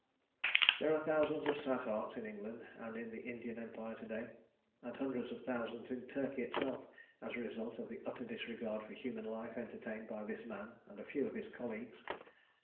There are thousands of sad hearts in England and in the Indian Empire to day, and hundreds of thousands in Turkey itself, as a result of the utter disregard for human life entertained by this man and a few of his colleagues.